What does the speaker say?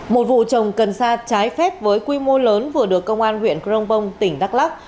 một vụ trồng cần xa trái phép với quy mô lớn vừa được công an huyện cronbong tỉnh đắk lắk